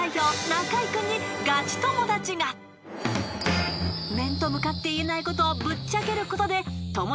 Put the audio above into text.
中居君にガチ友達が面と向かって言えないことをぶっちゃけることで］